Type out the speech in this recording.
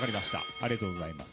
ありがとうございます。